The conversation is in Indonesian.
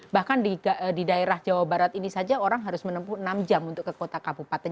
bahkan di daerah jawa barat ini saja orang harus menempuh enam jam untuk ke kota kabupaten